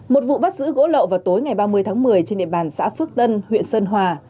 một vụ bắt giữ gỗ lậu vào tối ngày ba mươi tháng một mươi trên địa bàn xã phước tân huyện sơn hòa